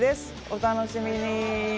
お楽しみに！